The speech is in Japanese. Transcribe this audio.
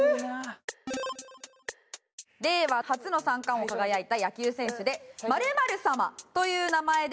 令和初の三冠王に輝いた野球選手で○○様という名前で。